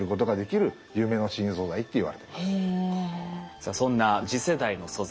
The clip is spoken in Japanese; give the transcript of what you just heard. さあそんな次世代の素材